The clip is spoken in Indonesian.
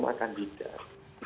maka bukan seperti terapa harris